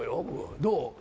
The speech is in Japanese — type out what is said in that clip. どう？